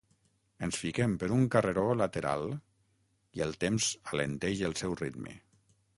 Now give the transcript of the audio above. Ens fiquem per un carreró lateral i el temps alenteix el seu ritme.